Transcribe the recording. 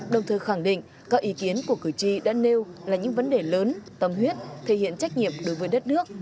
đồng thời khẳng định các ý kiến của cử tri đã nêu là những vấn đề lớn tâm huyết thể hiện trách nhiệm đối với đất nước